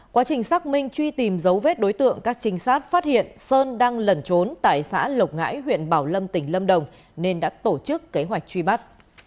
quá trình xác minh truy tìm dấu vết đối tượng các trinh sát phát hiện sơn đang lẩn trốn tại xã lộc ngãi huyện bảo lâm tỉnh lâm đồng nên đã tổ chức kế hoạch truy bắt